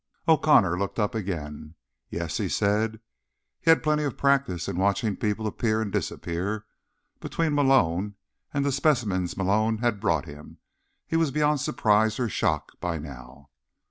O'Connor looked up again. "Yes?" he said. He'd had plenty of practice in watching people appear and disappear, between Malone and the specimens Malone had brought him; he was beyond surprise or shock by now.